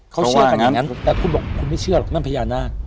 เขาเชื่อกันอย่างนั้นแต่คุณบอกคุณไม่เชื่อหรอกนั่นพญานาค